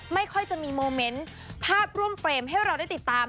ไม่ค่อยจะมีโมเมนต์ภาพร่วมเฟรมให้เราได้ติดตาม